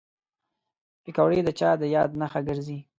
پکورې د چا د یاد نښه ګرځي